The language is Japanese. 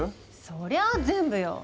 そりゃあ全部よ。